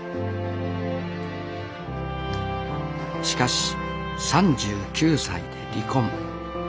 しかし３９歳で離婚。